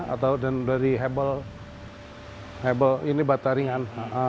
atau dari hebel ini bata ringan